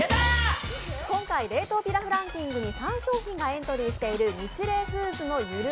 今回冷凍ピラフランキングに３商品がエントリーしているニチレイフーズのゆる